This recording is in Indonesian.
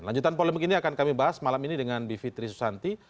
lanjutan polemik ini akan kami bahas malam ini dengan bivitri susanti